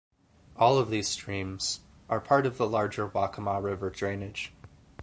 All of these streams are part of the larger Waccamaw River drainage.